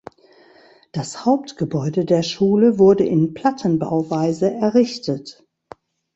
Das Hauptgebäude der Schule wurde in Plattenbauweise errichtet.